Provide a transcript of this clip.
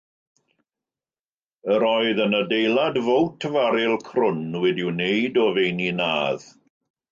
Yr oedd yn adeilad fowt faril crwn wedi'i wneud o feini nadd.